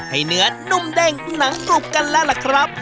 ให้เนื้อนุ่มเด้งหนังกรุบกันแล้วล่ะครับ